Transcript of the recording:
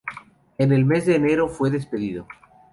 En el mes de enero fue despedido.